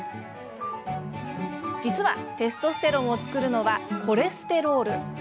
実は、テストステロンを作るのはコレステロール。